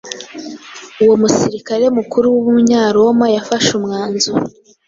uwo musirikare mukuru w’Umunyaroma yafashe umwanzuro